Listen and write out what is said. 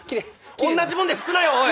おんなじもんで拭くなよおい。